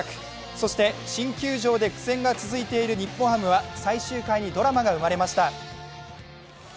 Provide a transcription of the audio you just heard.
そして新球場が苦戦が続いている日本ハムは最終回にドラマが生まれました。